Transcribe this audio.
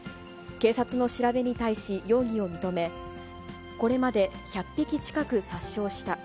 警察の調べに対し、容疑を認め、これまで、１００匹近く殺傷した。